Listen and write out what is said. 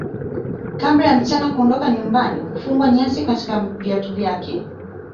Kabla ya msichana kuondoka nyumbani hufungwa nyasi katika viatu vyake